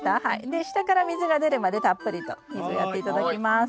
で下から水が出るまでたっぷりと水をやって頂きます。